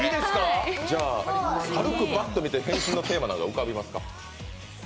軽くパッと見て、変身のテーマなどは浮かびますか？